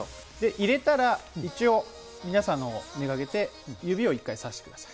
入れたら、一応、皆さんのほうめがけて指を一回指してください。